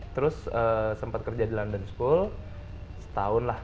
terus sempat kerja di london school setahun lah